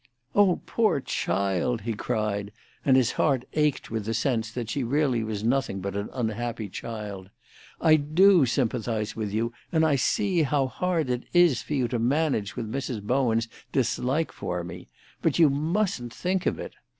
"O poor child!" he cried, and his heart ached with the sense that she really was nothing but an unhappy child. "I do sympathise with you, and I see how hard it is for you to manage with Mrs. Bowen's dislike for me. But you mustn't think of it.